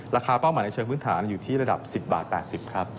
เป้าหมายในเชิงพื้นฐานอยู่ที่ระดับ๑๐บาท๘๐ครับ